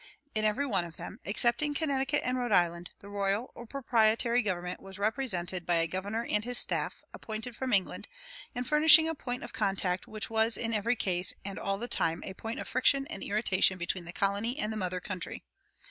In every one of them, excepting Connecticut and Rhode Island, the royal or proprietary government was represented by a governor and his staff, appointed from England, and furnishing a point of contact which was in every case and all the time a point of friction and irritation between the colony and the mother country.